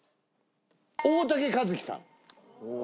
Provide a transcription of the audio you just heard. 大竹一樹さん。